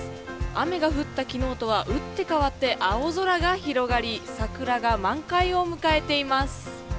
雨が降った昨日とは打って変わって青空が広がり桜が満開を迎えています。